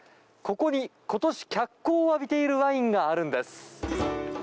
ここに、今年脚光を浴びているワインがあるんです。